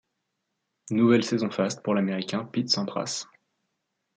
Nouvelle saison faste pour l'Américain Pete Sampras.